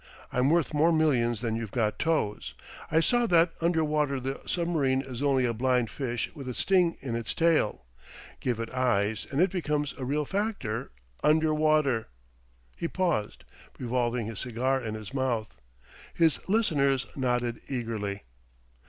I'm worth more millions than you've got toes. I saw that under water the submarine is only a blind fish with a sting in its tail. Give it eyes and it becomes a real factor under water." He paused, revolving his cigar in his mouth. His listeners nodded eagerly.